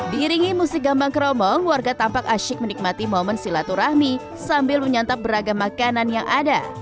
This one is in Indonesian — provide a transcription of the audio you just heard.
diiringi musik gambang kromong warga tampak asyik menikmati momen silaturahmi sambil menyantap beragam makanan yang ada